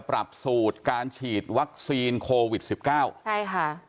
ปรับสูตรการฉีดวัคซีนโควิด๑๙ใช่ค่ะ